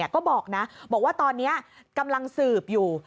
ก็บอกนะบอกว่าตอนนี้กำลังสืบอยู่